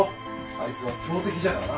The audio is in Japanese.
あいつは強敵じゃからな。